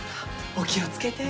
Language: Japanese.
お気を付けて。